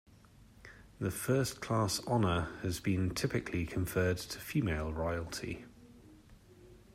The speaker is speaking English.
The first class honour has been typically conferred to female royalty.